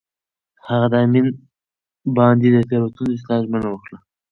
هغه د امین بانډ د تېروتنو د اصلاح ژمنه وکړه.